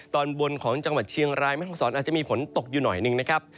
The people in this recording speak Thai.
ตอนบนของจังหวัดเชียงรายแม่ห้องศรอาจจะมีฝนตกอยู่หน่อยหนึ่งนะครับ